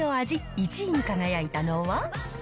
１位に輝いたのは。